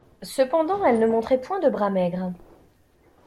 Cependant elle ne montrait point de bras maigres.